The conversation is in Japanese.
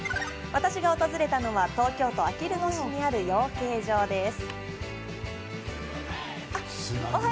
私が訪れたのは東京都あきる野市にある養鶏場です。